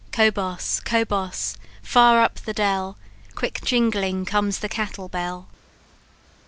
Cobos! cobos! far up the dell Quick jingling comes the cattle bell!"